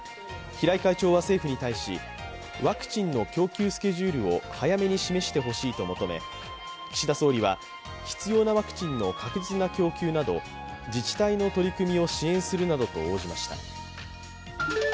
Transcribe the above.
平井会長は政府に対しワクチンの供給スケジュールを早めに示してほしいと求め岸田総理は必要なワクチンの確実な供給など自治体の取り組みを支援するなどと応じました。